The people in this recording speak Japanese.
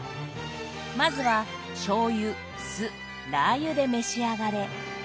まずはしょうゆ酢ラー油で召し上がれ。